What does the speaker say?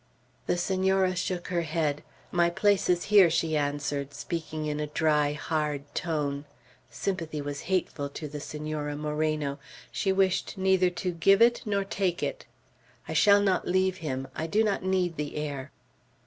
The Senora shook her head. "My place is here," she answered, speaking in a dry, hard tone. Sympathy was hateful to the Senora Moreno; she wished neither to give it nor take it. "I shall not leave him. I do not need the air."